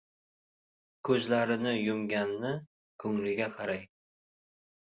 Ko‘zlarini yumganni, ko‘ngliga qaray.